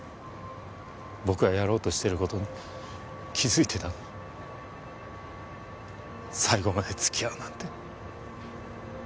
僕がやろうとしてる事に気づいてたのに最後まで付き合うなんて。